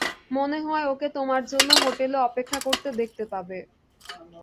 মনে হয় ওকে তোমার জন্য হোটেলে অপেক্ষা করতে দেখতে পাবে।